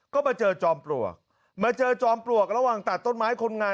ก็มาเจอจอมปลวกมาเจอจอมปลวกระหว่างตัดต้นไม้คนงาน